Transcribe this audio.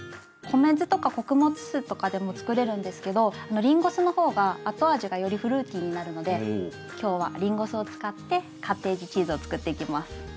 米酢とか穀物酢とかでも作れるんですけどりんご酢の方が後味がよりフルーティーになるので今日はりんご酢を使ってカッテージチーズを作っていきます。